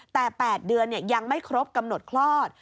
แต่๘เดือนยังไม่ครบกำหนดคลอด